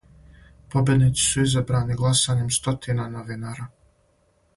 Победници су изабрани гласањем стотина новинара.